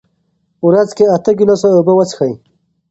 ورځ کې اته ګیلاسه اوبه وڅښئ.